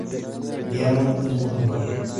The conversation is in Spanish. Diamond es musulmán.